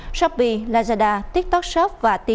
như shopee lazada tiktok shop và tiki